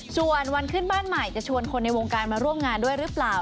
ส่วนวันขึ้นบ้านใหม่จะชวนคนในวงการมาร่วมงานด้วยหรือเปล่า